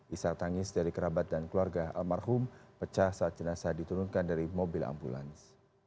isar tangis dari kerabat dan keluarga almarhum pecah saat jenazah diturunkan dari mobil ambulans